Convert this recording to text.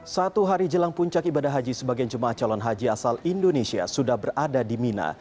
satu hari jelang puncak ibadah haji sebagian jemaah calon haji asal indonesia sudah berada di mina